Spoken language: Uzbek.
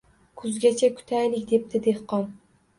Kuzgacha kutaylik, — debdi dehqon